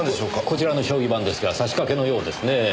こちらの将棋盤ですが指しかけのようですねぇ。